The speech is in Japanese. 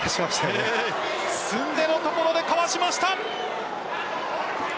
すんでのところでこらえました。